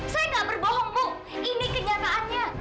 saya gak berbohong bu ini kenyataannya